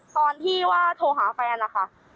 ตอนที่ว่าโทรหาแฟนนะคะ